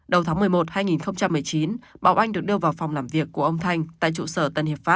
đầu tháng một mươi một hai nghìn một mươi chín báo oanh được đưa vào phòng làm việc của ông thanh tại trụ sở tân hiệp pháp